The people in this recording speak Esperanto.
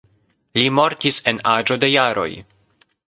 Li mortis en aĝo de jaroj.